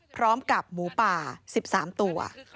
พร้อมกับหมูป่า๑๓ตัว